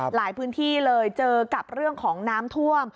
หลายพื้นที่เลยเจอกับเรื่องของน้ำท่วม